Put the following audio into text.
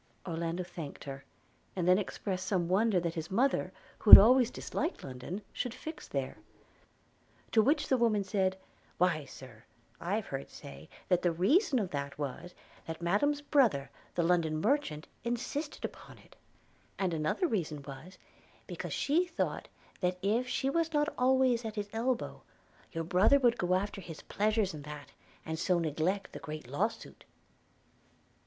Orlando thanked her – and then expressed some wonder that his mother, who had always disliked London, should fix there: To which the woman said, 'Why, Sir, I've heard say, that the reason of that was, that Madam's brother, the London Merchant, insisted upon it; and another reason was, because she thought that if she was not always at his elbow, your brother would go after his pleasures and that; and so neglect the great law suit.'